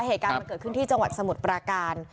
เหตุการณ์มันเกิดขึ้นที่จังหวัดสมุทรปราการ